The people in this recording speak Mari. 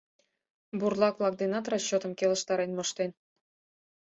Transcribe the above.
Бурлак-влак денат расчётым келыштарен моштен.